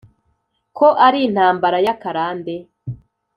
,Ko ari intambara y’akarande